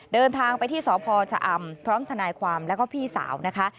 เดินทางไปที่สพชะอำพร้อมทนายความแล้วก็พี่สาวนะคะ